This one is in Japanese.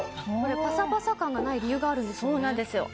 パサパサ感がない理由があるんですよね？